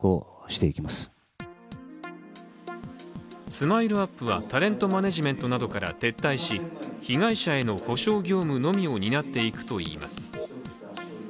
ＳＭＩＬＥ−ＵＰ．はタレントマネジメントなどから撤退し、被害者への補償業務のみを担っていくといいます。